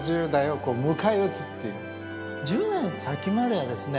１０年先までですね